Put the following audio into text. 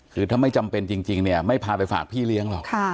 คือถ้าไม่จำเป็นจริงเนี่ยไม่พาไปฝากพี่เลี้ยงหรอก